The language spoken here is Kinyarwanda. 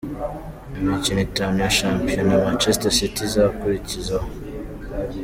Imikino itanu ya shampiyona Manchester City izakurikizaho.